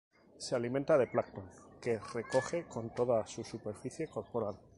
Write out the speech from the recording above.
Se alimenta de plancton que recoge con toda su superficie corporal.